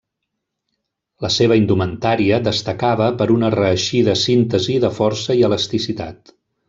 La seva indumentària destacava per una reeixida síntesi de força i elasticitat.